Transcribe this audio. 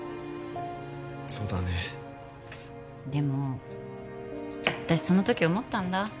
そうだねでも私そのとき思ったんだ